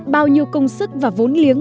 bao nhiêu công sức và vốn liếng